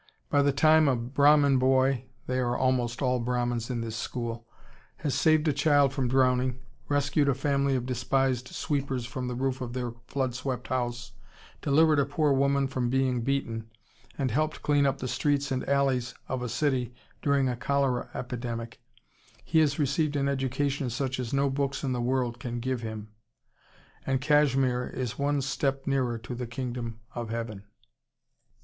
By the time a Brahmin boy, they are almost all Brahmins in this school, has saved a child from drowning, rescued a family of despised sweepers from the roof of their flood swept house, delivered a poor woman from being beaten, and helped clean up the streets and alleys of a city during a cholera epidemic, he has received an education such as no books in the world can give him, and Kashmir is one step nearer to the Kingdom of Heaven.